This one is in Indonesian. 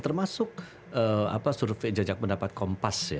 termasuk survei jajak pendapat kompas